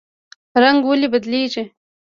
رنګ ولې بدلیږي؟